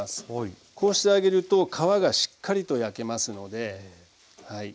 こうしてあげると皮がしっかりと焼けますのではい。